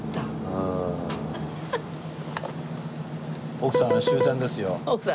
奥さん終点です。